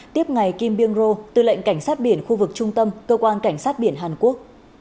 tiếp ngài kim byung ro tư lệnh cảnh sát biển khu vực trung tâm cơ quan cảnh sát biển hàn quốc